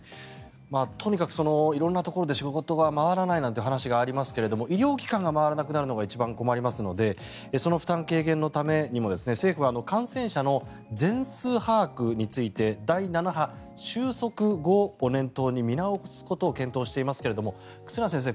とにかく色んなところで仕事が回らないなんて話がありますが医療機関が回らなくなるのが一番困りますのでその負担軽減のためにも政府は感染者の全数把握について第７波収束後を念頭に見直すことを検討していますが忽那先生